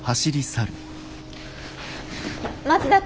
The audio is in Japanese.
松田君！